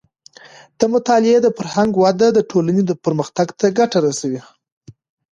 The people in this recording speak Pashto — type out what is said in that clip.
د مطالعې د فرهنګ وده د ټولنې پرمختګ ته ګټه رسوي.